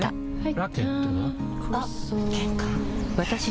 ラケットは？